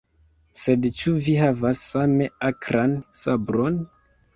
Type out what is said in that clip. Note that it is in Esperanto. Sed ĉu vi havas same akran sabron?